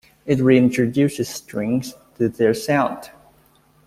It reintroduces strings to their sound.